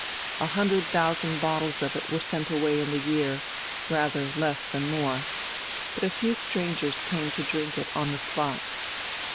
A hundred thousand bottles of it were sent away in the year rather less than more. And but few strangers came to drink it on the spot....